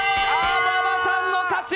馬場さんの勝ち！